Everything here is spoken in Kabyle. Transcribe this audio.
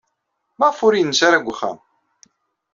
Maɣef ur yensi ara deg uxxam?